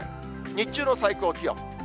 日中の最高気温。